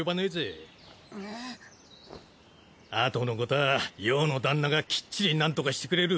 あとのこたぁ葉のダンナがきっちりなんとかしてくれる。